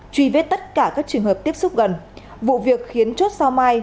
truy vết tất cả các trường hợp tiếp xúc gần vụ việc khiến chốt sao mai